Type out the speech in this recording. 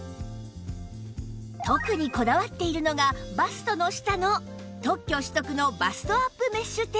特にこだわっているのがバストの下の特許取得のバストアップメッシュテープ